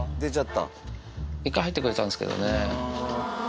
１回入ってくれたんですけどね。